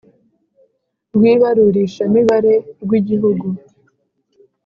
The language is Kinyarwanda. rw ibarurishamibare rw Igihugu